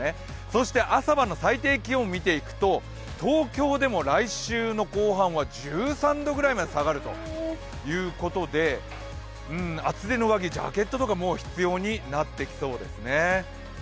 そして朝晩の最低気温を見ていくと東京でも来週の後半は１３度ぐらいまで下がるということで厚手の上着、ジャケットとかがもう必要になってきそうですね。